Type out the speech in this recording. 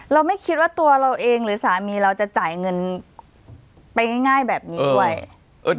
เราไม่คิดว่าตัวเราเองหรือสามีเราจะจ่ายเงินไปง่ายแบบนี้ด้วย